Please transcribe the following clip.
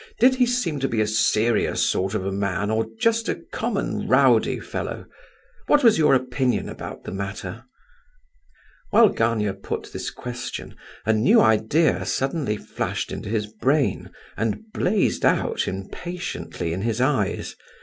"Did he seem to be a serious sort of a man, or just a common rowdy fellow? What was your own opinion about the matter?" While Gania put this question, a new idea suddenly flashed into his brain, and blazed out, impatiently, in his eyes.